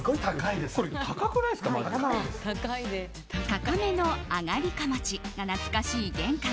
高めの上がりかまちが懐かしい玄関。